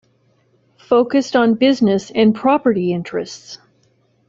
Focused on business and property interests.